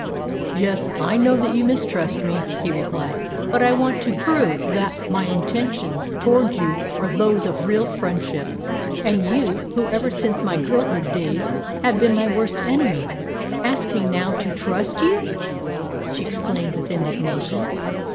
"Yes. I know that you mistrust me," he replied; "but I want to prove that my intentions towards you are those of real friendship." "And you, who ever since my girlhood days have been my worst enemy, ask me now to trust you!" she exclaimed with indignation.